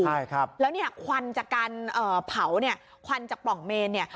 ใช่ครับแล้วเนี่ยควันจากการเอ่อเผาเนี่ยควันจากปล่องเมนเนี่ย